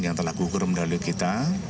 yang telah gugur medali kita